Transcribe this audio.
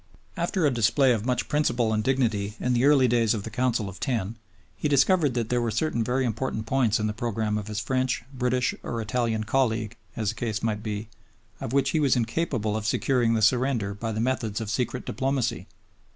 After a display of much principle and dignity in the early days of the Council of Ten, he discovered that there were certain very important points in the program of his French, British, or Italian colleague, as the case might be, of which he was incapable of securing the surrender by the methods of secret diplomacy.